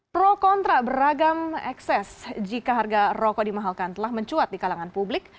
pro kontra beragam ekses jika harga rokok dimahalkan telah mencuat di kalangan publik